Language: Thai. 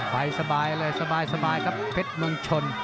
ไปสบายเลยสบายครับเพชรเมืองชน